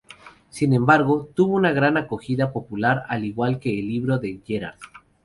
Sin embargo, tuvo una gran acogida popular, al igual que el libro de Gerard.